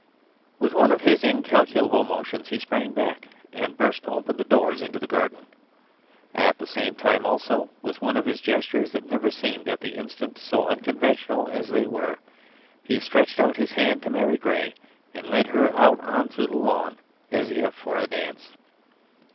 With one of his incalculable motions he sprang back and burst open the doors into the garden. At the same time also, with one of his gestures that never seemed at the instant so unconventional as they were, he stretched out his hand to Mary Gray, and led her out on to the lawn as if for a dance.